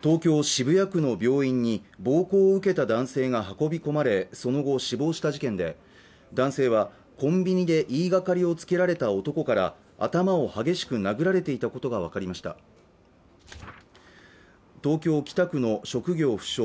渋谷区の病院に暴行を受けた男性が運び込まれその後死亡した事件で男性はコンビニで言いがかりをつけられた男から頭を激しく殴られていたことが分かりました東京北区の職業不詳